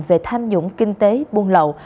về tham nhũng kinh tế buôn lậu